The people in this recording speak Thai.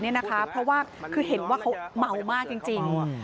เพราะว่าคือเห็นว่าเขาเมามากจริง